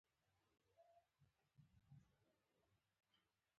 خو څنګه او په کوم ډول به دا کار وشي؟